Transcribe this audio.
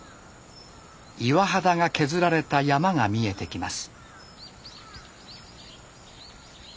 岩肌が削られた山が見えてきます。